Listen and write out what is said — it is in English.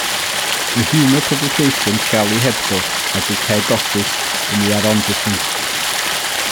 The humour publication "Charlie Hebdo" has its head office in the arrondissement.